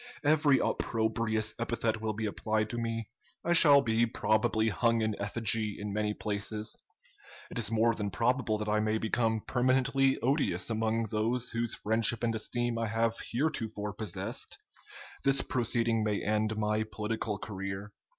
Every opprobrious epithet will be applied to me. I shall be probably hung in effigy in many places. It is more than probable that I may become permanently odious among those whose friendship and esteem I have heretofore possessed. This proceeding may end my political career.